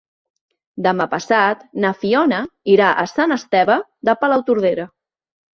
Demà passat na Fiona irà a Sant Esteve de Palautordera.